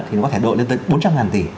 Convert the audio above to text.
thì nó có thể đội lên tới bốn trăm linh tỷ